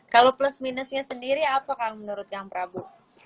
kalau plus minusnya sendiri apakah menurut kang prabu